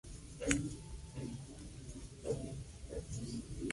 Fue uno de los colonos de origen hebreo sefardí que componían la tripulación.